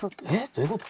どういうこと？